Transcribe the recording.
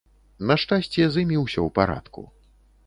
На шчасце, з імі ўсё ў парадку.